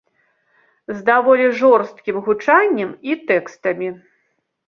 З даволі жорсткім гучаннем і тэкстамі.